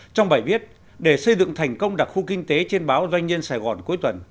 trong bài viết để xây dựng thành công đặc khu kinh tế trên báo doanh nhân sài gòn cuối tuần